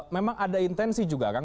memang ada intensi juga kan